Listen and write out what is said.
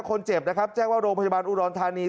คนเจ็บนะครับแจ้งว่าโรงพยาบาลอุดรธานี